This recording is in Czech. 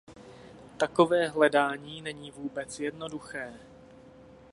Takové hledání není vůbec jednoduché.